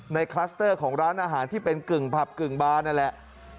คลัสเตอร์ของร้านอาหารที่เป็นกึ่งผับกึ่งบานนั่นแหละ